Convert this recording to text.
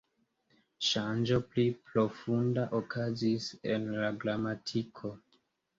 Ŝanĝo pli profunda okazis en la gramatiko.